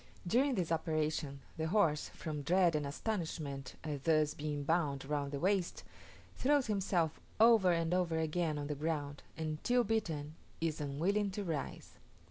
During this operation, the horse, from dread and astonishment at thus being bound round the waist, throws himself over and over again on the ground, and, till beaten, is unwilling to rise.